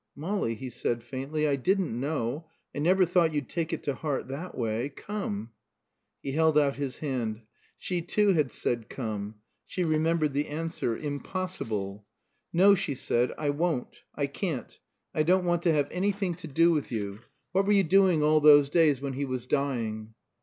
"Molly," he said faintly, "I didn't know. I never thought you'd take it to heart that way. Come " He held out his hand. She too had said "Come." She remembered the answer: "Impossible." "No," she said. "I won't. I can't. I don't want to have anything to do with you. What were you doing all those days when he was dying?"